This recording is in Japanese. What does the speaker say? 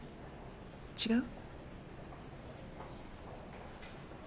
違う？